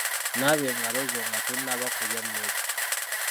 Naaba engalo zo nga tonnaba kulya mmere.